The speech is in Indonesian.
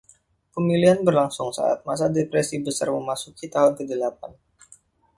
Pemilihan berlangsung saat masa Depresi Besar memasuki tahun kedelapan.